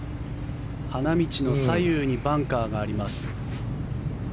花道の左右にバンカーがあります。